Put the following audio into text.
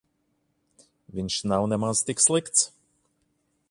Viņš nav nemaz tik slikts.